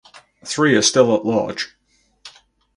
Three are still at large.